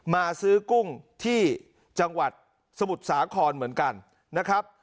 มาซื้อกุ้งที่จังหวัดสมุทรสาครเหมือนกันนะครับ